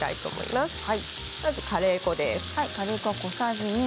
まずカレー粉です。